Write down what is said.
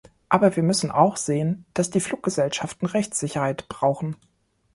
Aber wir müssen auch sehen, dass die Fluggesellschaften Rechtssicherheit brauchen.